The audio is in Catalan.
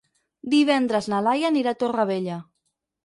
Divendres na Laia anirà a Torrevella.